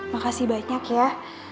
makasih banyak ya